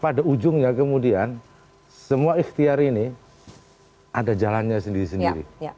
pada ujungnya kemudian semua ikhtiar ini ada jalannya sendiri sendiri